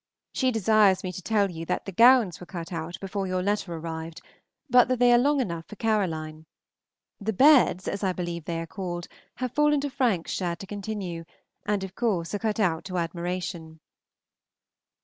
She desires me to tell you that the gowns were cut out before your letter arrived, but that they are long enough for Caroline. The Beds, as I believe they are called, have fallen to Frank's share to continue, and of course are cut out to admiration.